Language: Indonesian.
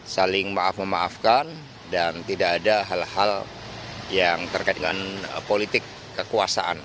saling maaf memaafkan dan tidak ada hal hal yang terkait dengan politik kekuasaan